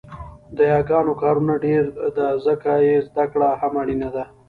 د یاګانو کارونه ډېره ده ځکه يې زده کړه هم اړینه ده